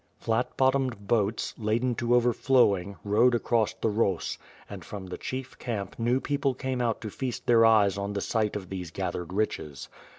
Flat bottomed boats, laden to overflowing rowed across the Ros; and from the chief camp new people came out to feast their eyes on the sight of these gathered riches.